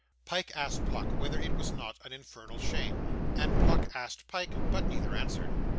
Pyke asked Pluck whether it was not an infernal shame, and Pluck asked Pyke; but neither answered.